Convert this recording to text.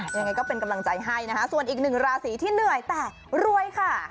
ยังไงก็เป็นกำลังใจให้นะคะส่วนอีกหนึ่งราศีที่เหนื่อยแต่รวยค่ะ